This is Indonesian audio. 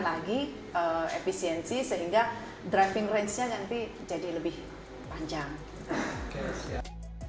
lagi efisiensi sehingga driving range nya nanti jadi lebih panjang